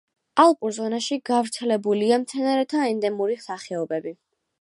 ალპურ ზონაში გავრცელებულია მცენარეთა ენდემური სახეობები.